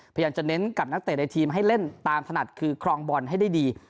พยายามจะเน้นกับนักเตะในทีมให้เล่นตามถนัดคือครองบอลให้ได้ดี